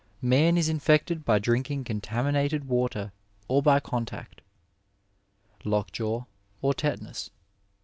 Man is infected by drinking contaminated water or by contact. Lockjaw, or Tetanus.